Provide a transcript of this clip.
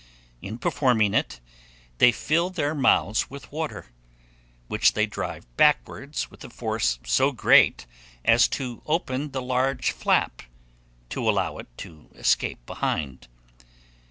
In performing it, they fill their mouths with water, which they drive backwards with a force so great as to open the large flap, to allow it to escape behind.